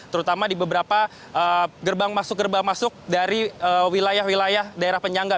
terutama di beberapa gerbang masuk gerbang masuk dari wilayah wilayah daerah penyangga